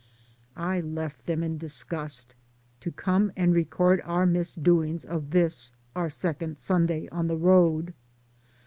I left them in disgust, to come and record our misdoings of this, our second, Sunday on the road.